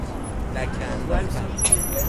لکه انداختن